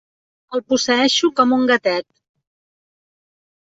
El posseeixo com un gatet.